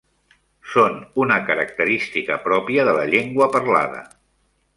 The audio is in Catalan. Són una característica pròpia de la llengua parlada.